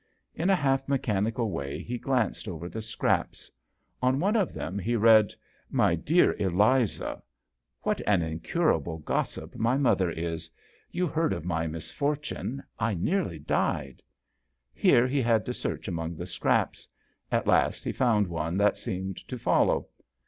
In a half mechanical way he glanced over the scraps. On one of them he read :" MY DEAR ELIZA, Whatanincurablegossip 68 JOHN SHERMAN. my mother is. You heard of my misfortune. I nearly died " Here he had to search among the scraps ; at last he found one that seemed to follow.